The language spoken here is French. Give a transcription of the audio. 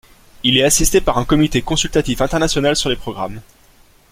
Il est assisté par un comité consultatif international sur les programmes.